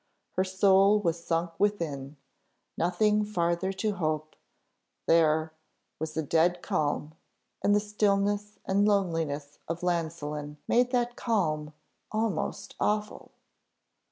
Her soul was sunk within, nothing farther to hope; there, was a dead calm, and the stillness and loneliness of Llansillen made that calm almost awful.